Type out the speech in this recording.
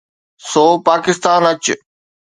سو پاڪستان اچ.